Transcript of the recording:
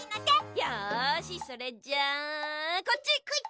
よしそれじゃあこっち！